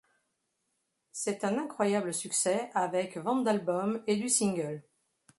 C'est un incroyable succès avec ventes d'albums et du single.